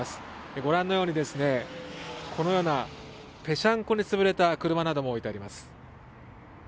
ご覧のようにですねこのようなぺしゃんこにつぶれた車なども置いてあります。